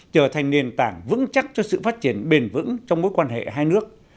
trở thành nền tảng vững chắc cho sự phát triển bền vững trong mối quan hệ hai nước